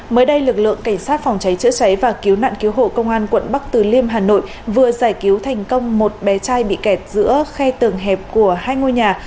mới đây lực lượng cảnh sát phòng cháy chữa cháy và cứu nạn cứu hộ công an quận bắc từ liêm hà nội vừa giải cứu thành công một bé trai bị kẹt giữa khe tầng hẹp của hai ngôi nhà